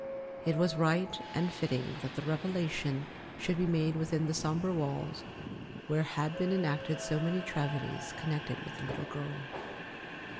It was right and fitting that the revelation should be made within the sombre walls where had been enacted so many tragedies connected with the little girl.